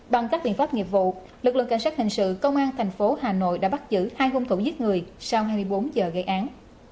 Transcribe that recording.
bằng các biện pháp nghiệp vụ lực lượng cảnh sát hình sự công an thành phố hà nội đã bắt giữ hai hung thủ giết người sau hai mươi bốn giờ gây án